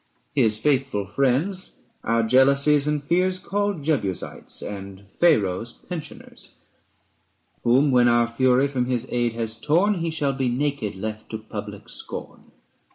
His faithful friends our jealousies and fears Gall Jebusites and Pharaoh's pensioners, Whom when our fury from his aid has torn, He shall be naked left to public scorn.